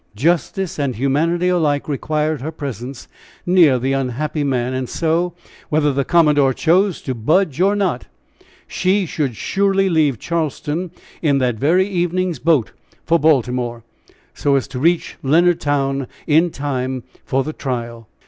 justice and humanity alike required her presence near the unhappy man, and so, whether the commodore chose to budge or not, she should surely leave Charleston in that very evening's boat for Baltimore, so as to reach Leonardtown in time for the trial.